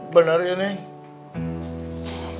bener ya neng